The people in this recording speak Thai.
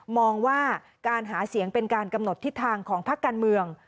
มองว่าการหาเสียงเป็นการกำหนดทิศทางของพักการเมือง